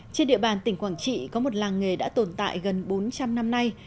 trên địa bàn tỉnh quảng trị có một làng nghề đã tồn tại gần bốn trăm linh năm nay